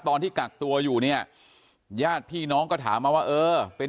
ตอนที่กักตัวอยู่เนี่ยญาติพี่น้องก็ถามมาว่าเออเป็น